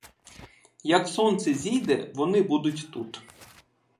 Як сонце зійде, вони будуть тут!